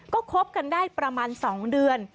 ก็คบกันได้ประมาณ๒เดือน